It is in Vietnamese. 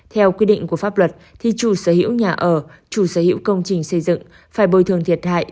theo quy định của pháp luật thì chủ sở hữu nhà ở chủ sở hữu công trình xây dựng phải bồi thường thiệt hại